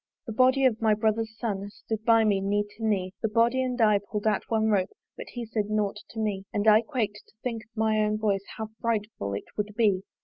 The body of my brother's son Stood by me knee to knee: The body and I pull'd at one rope, But he said nought to me And I quak'd to think of my own voice How frightful it would be!